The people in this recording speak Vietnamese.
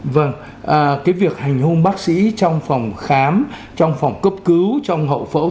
vâng cái việc hành hung bác sĩ trong phòng khám trong phòng cấp cứu trong hậu phẫu